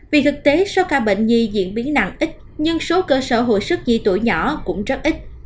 vì thực tế số ca bệnh nhi diễn biến nặng ít nhưng số cơ sở hồi sức di tuổi nhỏ cũng rất ít